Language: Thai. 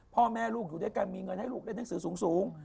พ่อแม่ลูกอยู่ด้วยกันมีเงินให้ลูกเล่นหนังสือสูง